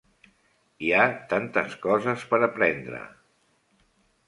Hi ha tantes coses per aprendre.